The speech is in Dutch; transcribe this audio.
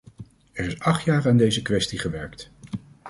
Er is acht jaar aan deze kwestie gewerkt!